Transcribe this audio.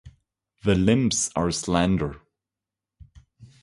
The limbs are slender.